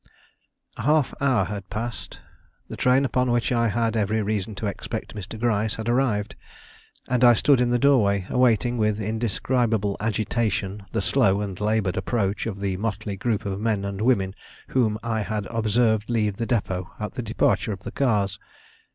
A half hour had passed. The train upon which I had every reason to expect Mr. Gryce had arrived, and I stood in the doorway awaiting with indescribable agitation the slow and labored approach of the motley group of men and women whom I had observed leave the depot at the departure of the cars.